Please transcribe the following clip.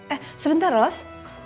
eh sebentar ros